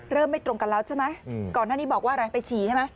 ไม่ตรงกันแล้วใช่ไหมก่อนหน้านี้บอกว่าอะไรไปฉี่ใช่ไหม